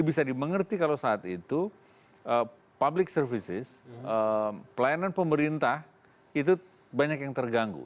bisa dimengerti kalau saat itu public services pelayanan pemerintah itu banyak yang terganggu